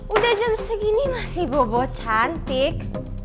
udah jam segini masih bobot cantik